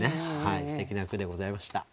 すてきな句でございました。